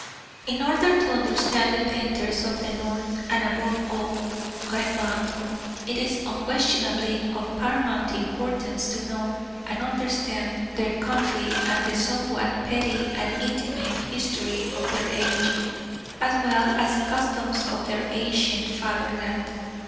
In order to understand the painters of the North, and above all Rembrandt, it is unquestionably of paramount importance to know and understand their country and the somewhat petty and intimate history of their age, as well as the customs of their ancient fatherland.